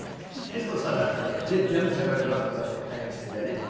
徹子さんだったら全部しゃべれますけど早口でね。